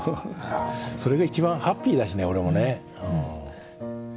それが一番ハッピーだしね俺もね。